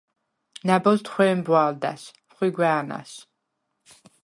ნა̈ბოზდ ხვე̄მბვა̄ლდა̈ს, ხვიგვა̄̈ნა̈ს.